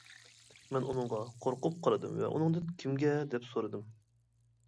مەن ئۇنىڭغا قورقۇپ قارىدىم ۋە ئۇنىڭدىن: كىمگە؟ دەپ سورىدىم.